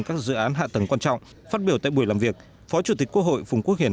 các dự án hạ tầng quan trọng phát biểu tại buổi làm việc phó chủ tịch quốc hội phùng quốc hiển